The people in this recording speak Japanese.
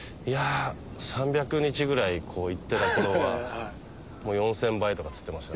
３００日ぐらい行ってた頃は４０００杯とか釣ってました。